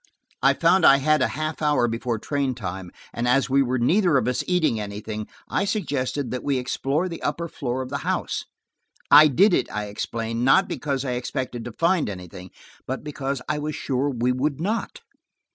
I found I had a half hour before train time, and as we were neither of us eating anything, I suggested that we explore the upper floor of the house. I did it, I explained, not because I expected to find anything, but because I was sure we would not.